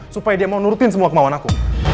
supaya dia mau nurutin semua kemauan aku